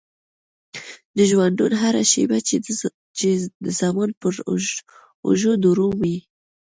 د ژوندون هره شيبه چې د زمان پر اوږو درومي.